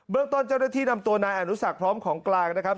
เรื่องต้นเจ้าหน้าที่นำตัวนายอนุสักพร้อมของกลางนะครับ